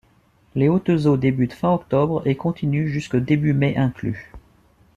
Les hautes eaux débutent fin octobre et continuent jusque début mai inclus.